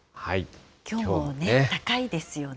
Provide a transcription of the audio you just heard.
きょうも高いですよね。